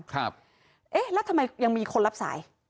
เอ๊ะแล้วทำไมยังมีคนรับสาย